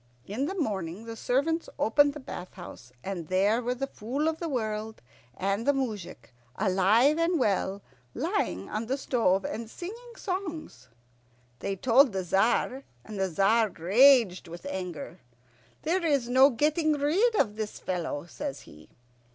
In the morning the servants opened the bath house, and there were the Fool of the World and the moujik, alive and well, lying on the stove and singing songs. They told the Tzar, and the Tzar raged with anger. "There is no getting rid of this fellow," says he.